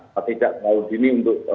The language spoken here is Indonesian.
ya tidak laut ini untuk